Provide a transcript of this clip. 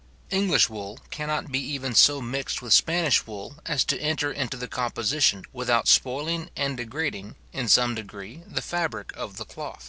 English wool, cannot be even so mixed with Spanish wool, as to enter into the composition without spoiling and degrading, in some degree, the fabric of the cloth.